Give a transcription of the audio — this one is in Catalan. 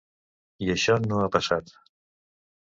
I això no ha passat.